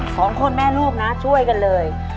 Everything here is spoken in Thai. สองคนแม่ลูกนะช่วยกันเลย